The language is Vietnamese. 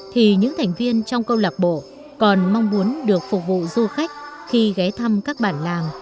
thì những thành viên trong câu lạc bộ còn mong muốn được phục vụ du khách khi ghé thăm các bản làng